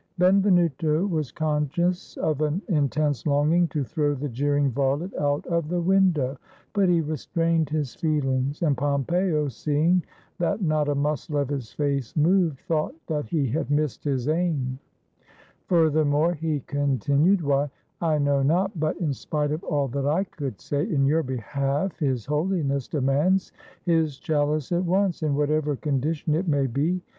Benvenuto was conscious of an intense longing to * A ducat ranged in value from $1.46 to $2.30. 65 ITALY throw the jeering varlet out of the window, but he restrained his feelings, and Pompeo, seeing that not a muscle of his face moved, thought that he had missed his aim. "Furthermore," he continued, "why, I know not, but in spite of all that I could say in your behalf. His Holi ness demands his chaUce at once, in whatever condition it may be.